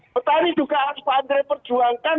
petani juga harus pak andre perjuangkan